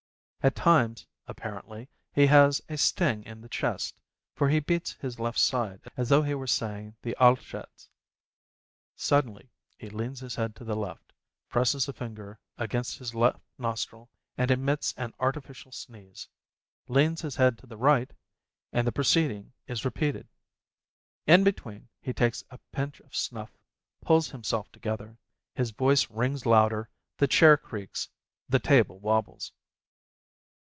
At times, apparently, he has a sting in the chest, for he beats his left side as though he were saying the Al Chets. Suddenly he leans his head to the left, presses a finger against his left nostril, and emits an artificial sneeze, leans his head to the right, and the proceeding is repeated. In between he takes a pinch of snuff, pulls himself together, his voice rings louder, the chair creaks, the table wobbles.